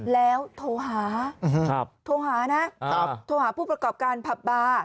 แล้วโทรหาโทรหาผู้ประกอบการพับบา